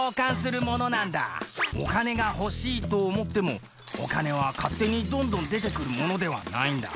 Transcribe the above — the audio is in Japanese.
お金が欲しいと思ってもお金は勝手にどんどん出てくるものではないんだ。